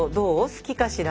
好きかしら？